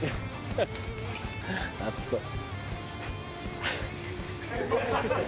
「熱そう」